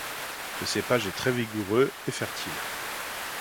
Le cépage est très vigoureux et fertile.